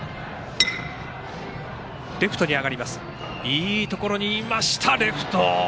いいところにいましたレフト。